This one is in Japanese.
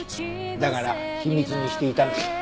だから秘密にしていたの。